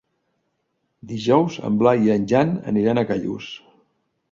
Dijous en Blai i en Jan aniran a Callús.